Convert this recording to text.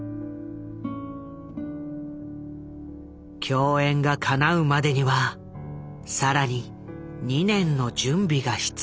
共演がかなうまでには更に２年の準備が必要だった。